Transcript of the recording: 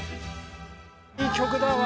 いい曲だわ。